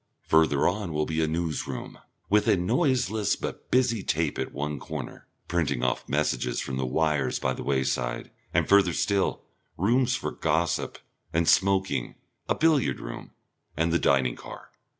Further on will be a news room, with a noiseless but busy tape at one corner, printing off messages from the wires by the wayside, and further still, rooms for gossip and smoking, a billiard room, and the dining car.